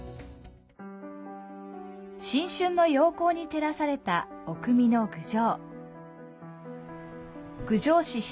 新春の陽光に照らされた奥美濃、郡上。